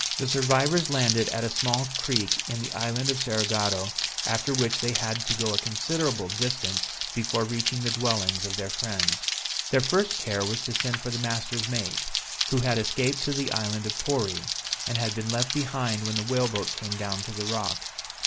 The survivors landed at a small creek in the island of Cerigotto, after which they had to go to a considerable distance before reaching the dwellings of their friends. Their first care was to send for the master's mate, who had escaped to the island of Pori, and had been left behind when the whale boat came down to the rock.